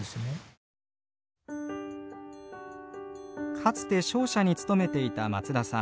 かつて商社に勤めていた松田さん。